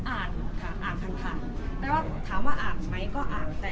อ่านค่ะอ่านผ่านแปลว่าถามว่าอ่านไหมก็อ่านแต่